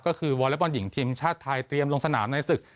ก็คือวอเล็กบอลหญิงทีมชาติไทยเตรียมลงสนามในศึก